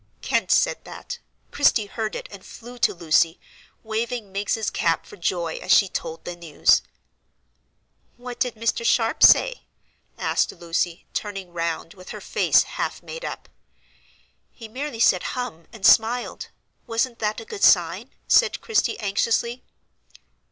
Kent said that,—Christie heard it, and flew to Lucy, waving Miggs's cap for joy as she told the news. "What did Mr. Sharp say?" asked Lucy, turning round with her face half "made up." "He merely said 'Hum,' and smiled. Wasn't that a good sign?" said Christie, anxiously.